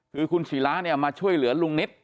คือคุณศิราเนี่ยมาช่วยเหลือลุงนิต